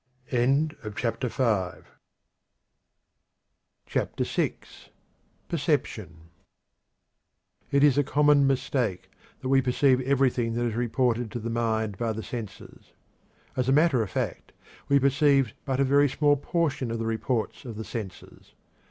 CHAPTER VI. Perception. It is a common mistake that we perceive everything that is reported to the mind by the senses. As a matter of fact we perceive but a very small portion of the reports of the senses.